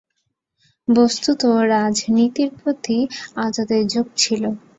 বস্তুত, রাজনীতির প্রতি আজাদের ঝোঁক ছিল।